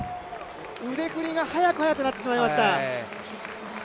腕振りが速くなってしまいました。